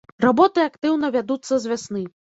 Работы актыўна вядуцца з вясны.